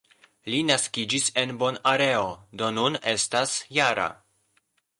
Li naskiĝis en Bonaero, do nun estas -jara.